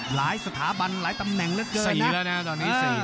หลายสถาบันหลายตำแหน่งเลยเกินนะ